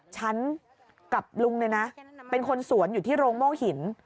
ฉันกับลุงเนี่ยนะเป็นคนสวนอยู่ที่โรงโม่หิน